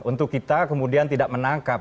untuk kita kemudian tidak menangkap